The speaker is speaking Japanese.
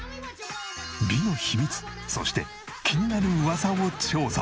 美の秘密そして気になる噂を調査。